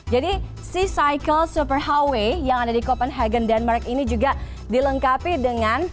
jadi si cycle superhighway yang ada di copenhagen denmark ini juga dilengkapi dengan